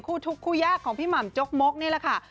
ทุกคู่ยากของพี่หม่ำจกมกนี่แหละค่ะ